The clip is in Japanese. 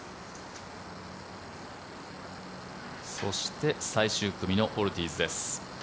そして最終組のオルティーズです。